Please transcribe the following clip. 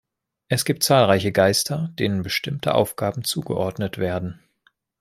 Es gibt zahlreiche Geister, denen bestimmte Aufgaben zugeordnet werden.